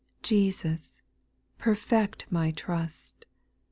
6. Jesus, perfect my trust